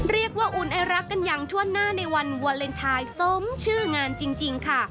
อุ่นไอรักกันอย่างทั่วหน้าในวันวาเลนไทยสมชื่องานจริงค่ะ